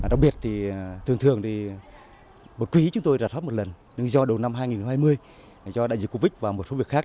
đặc biệt thì thường thường thì một quý chúng tôi rà soát một lần nhưng do đầu năm hai nghìn hai mươi do đại dịch covid và một số việc khác